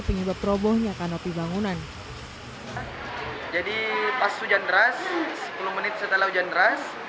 penyebab robohnya kanopi bangunan jadi pas hujan deras sepuluh menit setelah hujan deras